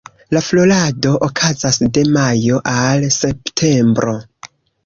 La florado okazas de majo al septembro.